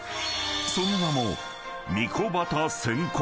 ［その名も］